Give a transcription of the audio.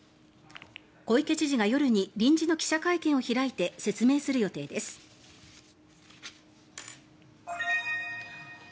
小池知事が夜に臨時の記者会見を開いて説明する予定です。